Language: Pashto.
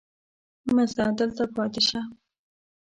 مه ځه دلته پاتې شه.